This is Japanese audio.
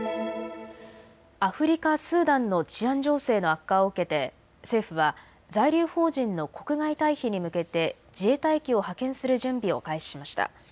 アフリカ・スーダンの治安情勢の悪化を受けて政府は在留邦人の国外退避に向けて自衛隊機を派遣する準備を開始しました。